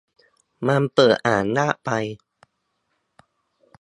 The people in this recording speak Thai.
มันเปิดอ่านยากไป